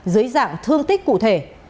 dưới dạng thương tích cụ thể